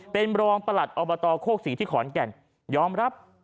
เป็นรองประหลัดอบตโคกศรีที่ขอนแก่นยอมรับ